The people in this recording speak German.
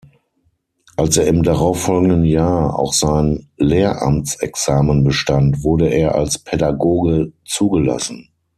Als er im darauffolgenden Jahr auch sein "Lehramtsexamen" bestand, wurde er als Pädagoge zugelassen.